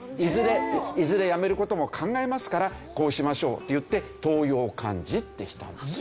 いずれやめる事も考えますからこうしましょうっていって当用漢字ってしたんですよ。